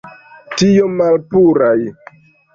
Tiom malpuraj!